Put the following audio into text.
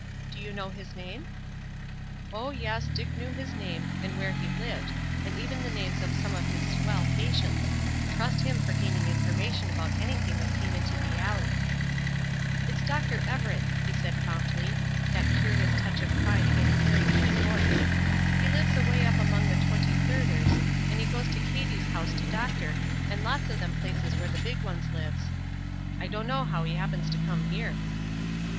"Do you know his name?" Oh yes, Dick knew his name and where he lived, and even the names of some of his "swell" patients; trust him for gaining information about anything that came into the alley. "It's Dr. Everett," he said promptly, that curious touch of pride appearing again in his voice. "He lives away up among the Twenty thirders, and he goes to Cady's house to doctor, and lots of them places where the big ones lives. I dunno how he happens to come here."